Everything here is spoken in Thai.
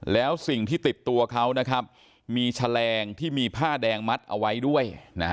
แล้วสิ่งที่ติดตัวเขานะครับมีแฉลงที่มีผ้าแดงมัดเอาไว้ด้วย